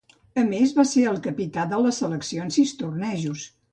A més, va ser el capità de la selecció en sis tornejos.